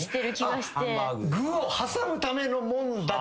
具を挟むためのもんだと。